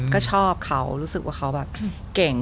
ก็ชอบเขารู้สึกว่าเขาแบบเก่ง